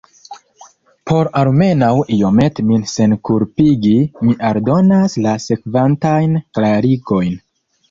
Por almenaŭ iomete min senkulpigi, mi aldonas la sekvantajn klarigojn.